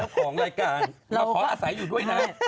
ของรายการเราขออาศัยอยู่ด้วยนะ